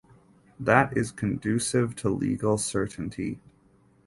That is conducive to legal certainty.